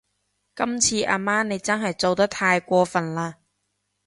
今次阿媽你真係做得太過份喇